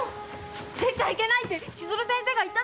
「出ちゃいけない」って千鶴先生が言ったわ！